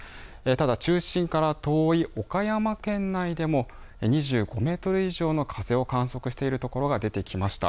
ただ中心から遠い岡山県内でも２５メートル以上の風を観測しているところが出てきました。